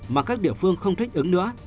mà các địa phương không thích ứng nữa